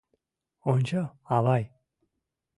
«Ончо, авай!